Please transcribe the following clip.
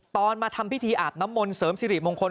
มาทำพิธีอาบน้ำมนต์เสริมสิริมงคล